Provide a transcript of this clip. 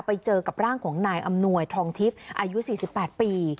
ไปเจอกับร่างของนายอำนวยทองทิพย์อายุ๔๘ปี